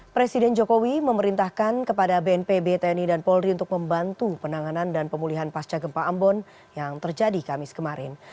presiden jokowi memerintahkan kepada bnpb tni dan polri untuk membantu penanganan dan pemulihan pasca gempa ambon yang terjadi kamis kemarin